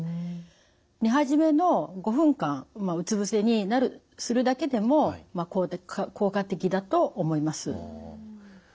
寝始めの５分間うつ伏せにするだけでも効果的だと思います。